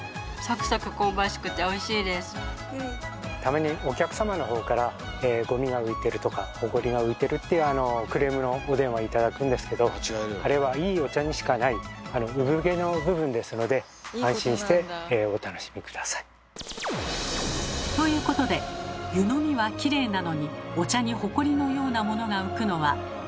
たまにお客様の方から「ゴミが浮いてる」とか「ホコリが浮いてる」っていうクレームのお電話頂くんですけどあれはいいお茶にしかない産毛の部分ですので安心してお楽しみ下さい。ということでそらもうと思った時。